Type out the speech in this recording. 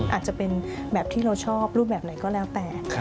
อาจจะเป็นแบบที่เราชอบรูปแบบไหนก็แล้วแต่